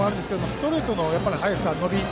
ストレートの速さ、伸び